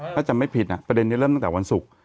ถ้าจำไม่ผิดประเด็นนี้เริ่มตั้งแต่วันศุกร์